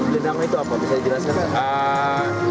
bilandango itu apa bisa dijelaskan pak